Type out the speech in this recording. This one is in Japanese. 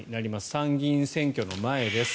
参議院選挙の前です。